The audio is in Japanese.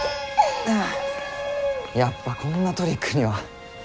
やっぱこんなトリックには。